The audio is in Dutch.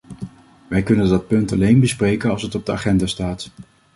Wij kunnen dat punt alleen bespreken als het op de agenda staat!